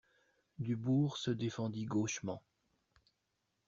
Dubourg se défendit gauchement.